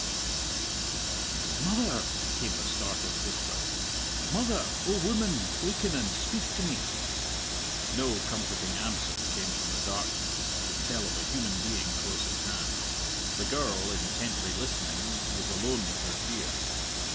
"Mother!" came the startled whisper, "mother! O woman, waken and speak to me!" No comforting answer came from the darkness to tell of a human being close at hand; the girl, intently listening, was alone with her fear.